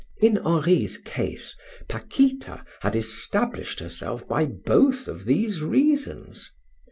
In Henri's case, Paquita had established herself by both of these reasons.